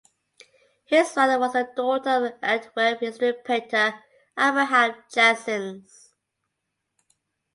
His mother was the daughter of the Antwerp history painter Abraham Janssens.